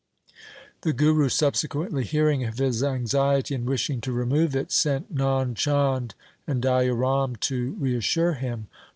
The Guru subsequently hearing of his anxiety and wishing to remove it, sent Nand Chand and Day a Ram to reassure him.